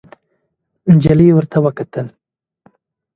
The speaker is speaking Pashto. نجلۍ ورته وکتل.